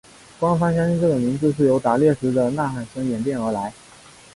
官方相信这个名字是由打猎时的呐喊声演变而来。